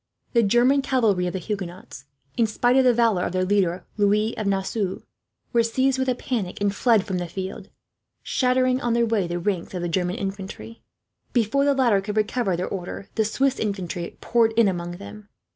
The German cavalry of the Huguenots, in spite of the valour of their leader, Louis of Nassau, were seized with a panic and fled from the field; shattering on their way the ranks of the German infantry. Before the latter could recover their order, the Swiss infantry poured in among them.